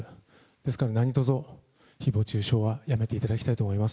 ですからなにとぞ、ひぼう中傷はやめていただきたいと思います。